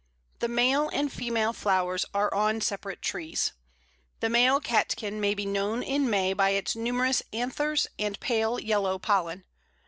The male and female flowers are on separate trees. The male catkin may be known in May by its numerous anthers and pale yellow pollen.